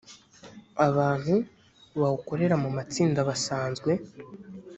abantu bawukorera mu matsinda basanzwe